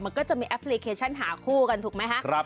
มันก็จะมีแอปพลิเคชันหาคู่กันถูกไหมคะ